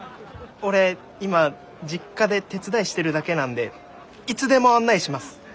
俺今実家で手伝いしてるだけなんでいつでも案内します。